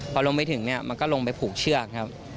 พอลงไปถึงเนี่ยมันก็ลงไปผูกเชือกครับ